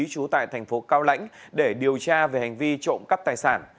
trú tại thành phố cao lãnh để điều tra về hành vi trộm cắp tài sản